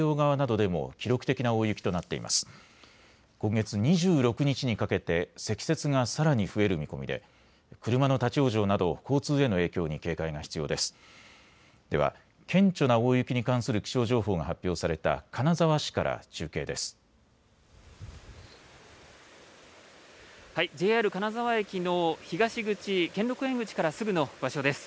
では顕著な大雪に関する気象情報が発表された金沢市から中継です。